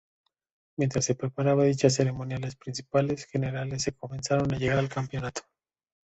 Mientras se preparaba dicha ceremonia, los principales generales comenzaron a llegar al campamento.